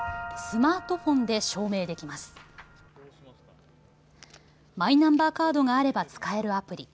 マイナンバーカードがあれば使えるアプリ。